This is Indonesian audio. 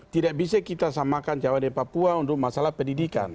tidak bisa kita samakan jawa dan papua untuk masalah pendidikan